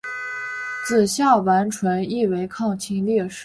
子夏完淳亦为抗清烈士。